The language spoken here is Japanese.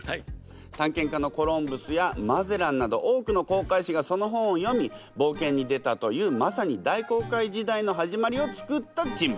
探検家のコロンブスやマゼランなど多くの航海士がその本を読み冒険に出たというまさに大航海時代のはじまりをつくった人物。